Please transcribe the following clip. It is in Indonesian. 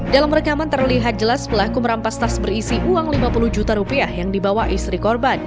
dalam rekaman terlihat jelas pelaku merampas tas berisi uang lima puluh juta rupiah yang dibawa istri korban